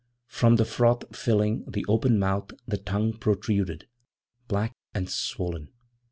From the froth filling the open mouth the tongue protruded, black and swollen.